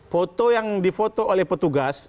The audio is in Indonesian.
foto yang di foto oleh petugas